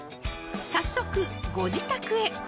［早速ご自宅へ］